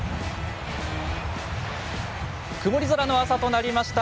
曇り空の朝となりました。